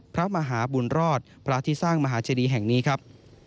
พระมหาบุญรอดพระที่สร้างมหาเจดีแห่งนี้ครับ